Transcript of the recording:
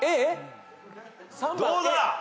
どうだ？